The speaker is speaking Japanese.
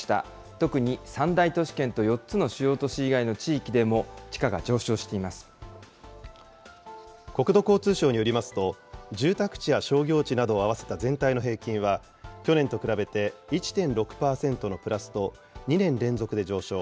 特に３大都市圏と４つの主要都市以外の地域でも地価が上昇してい国土交通省によりますと、住宅地や商業地などを合わせた全体の平均は、去年と比べて１．６％のプラスと、２年連続で上昇。